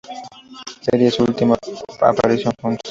Sería su última aparición juntos.